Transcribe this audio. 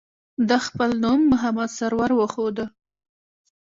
ده خپل نوم محمد سرور وښوده.